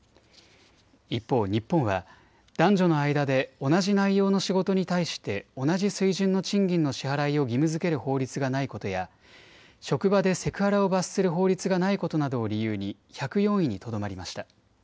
一方、日本は男女の間で同じ内容の仕事に対して同じ水準の賃金の支払いを義務づける法律がないことや職場でセクハラを罰する法律がないことなどを理由に１０４位にとどまりました。